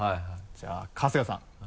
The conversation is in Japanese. じゃあ春日さん。